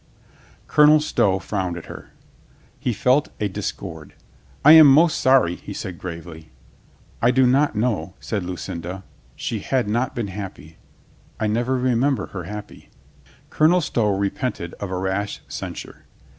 Colonel Stow frowned at her. He felt a dis cord. "I am most sorry," he said gravely. "I do not know," said Lucinda. "She had not been happy. I never remember her happy." Colonel Stow repented of a rash censure.